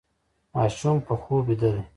ماشوم په خوب ویده دی.